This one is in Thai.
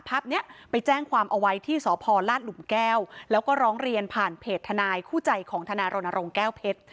ภาพนี้ไปแจ้งความเอาไว้ที่สพลาดหลุมแก้วแล้วก็ร้องเรียนผ่านเพจทนายคู่ใจของทนายรณรงค์แก้วเพชร